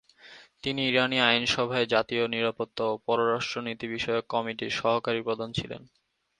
তিনি ইরানি আইনভায় জাতীয় নিরাপত্তা ও পররাষ্ট্রনীতি বিষয়ক কমিটির সহকারী প্রধান ছিলেন।